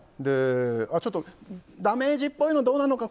ちょっとダメージっぽいのどうなのか